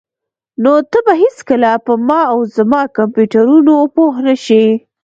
نو ته به هیڅکله په ما او زما کمپیوټرونو پوه نشې